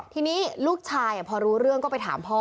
ทีนี้ลูกชายพอรู้เรื่องก็ไปถามพ่อ